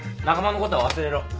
仲間のことは忘れろ。